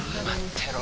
てろ